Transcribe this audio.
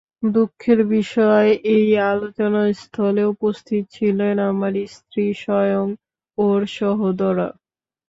দুঃখের বিষয়, এই আলোচনাস্থলে উপস্থিত ছিলেন আমার স্ত্রী, স্বয়ং ওর সহোদরা।